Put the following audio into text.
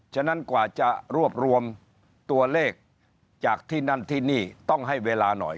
ฉะนั้นกว่าจะรวบรวมตัวเลขจากที่นั่นที่นี่ต้องให้เวลาหน่อย